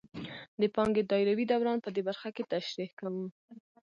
د پانګې دایروي دوران په دې برخه کې تشریح کوو